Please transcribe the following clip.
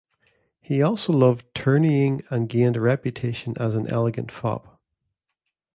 He also loved tourneying and gained a reputation as an "elegant" fop.